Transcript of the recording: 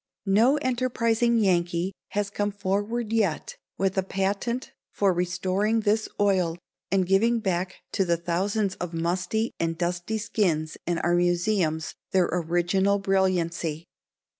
No enterprising Yankee has come forward yet with a patent for restoring this oil and giving back to the thousands of musty and dusty skins in our museums their original brilliancy.